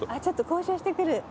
ちょっと交渉してくる。